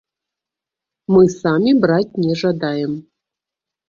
Мы самі браць не жадаем.